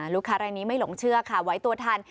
ลูกค้ารายนี้ไม่หลงเชื่อค่ะไว้ตัวทัน